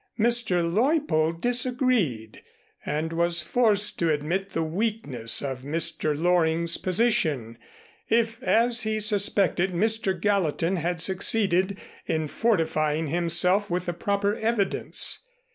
Mr. Leuppold disagreed and was forced to admit the weakness of Mr. Loring's position, if, as he suspected, Mr. Gallatin had succeeded in fortifying himself with the proper evidence.